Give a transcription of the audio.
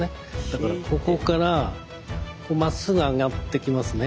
だからここからこうまっすぐ上がってきますね。